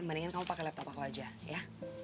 mendingan kamu pakai laptop aku aja ya